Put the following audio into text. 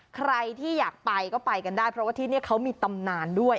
ใครที่อยากไปก็ไปกันได้เพราะว่าที่นี่เขามีตำนานด้วย